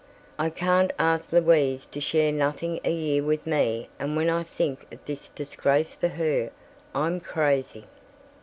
I can't ask Louise to share nothing a year with me and when I think of this disgrace for her, I'm crazy."